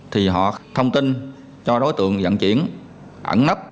thì họ thông tin cho đối tượng dặn chuyển ẩn nấp